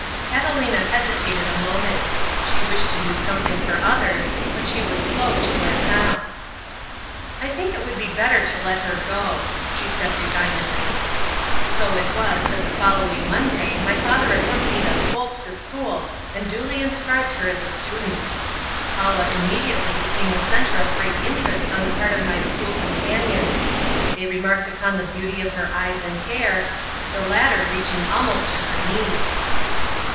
Catalina hesitated a moment. She wished to do something for others, but she was slow to learn how. "I think it would be better to let her go," she said resignedly. So it was that the following Monday my father accompanied us both to school and duly inscribed her as a student. Paula immediately became the center of great interest on the part of my school companions. They remarked upon the beauty of her eyes and hair, the latter reaching almost to her knees.